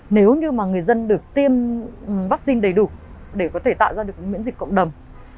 nếu như mà người dân được tiêm vaccine đầy đủ để có thể tạo ra được miễn dịch cộng đồng